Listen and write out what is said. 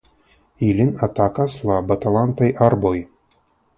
Ilin atakas la Batalantaj Arboj.